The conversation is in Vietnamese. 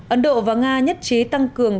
ấn độ và nga nhất trí tăng cường